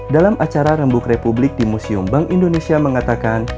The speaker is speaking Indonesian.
dalam acara rembuk republik di museum bank indonesia mengatakan